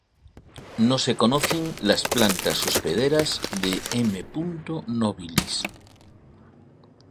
No se conocen las plantas hospederas de "M. nobilis".